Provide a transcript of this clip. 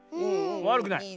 わるくない。